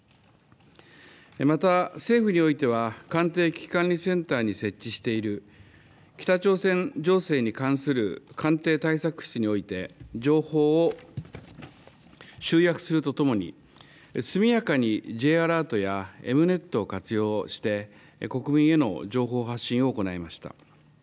また、政府においては、官邸危機管理センターに設置している北朝鮮情勢に関する官邸対策室において情報を集約するとともに、速やかにＪアラートやＥｍ−Ｎｅｔを活用して、国民への情報発信を行いました。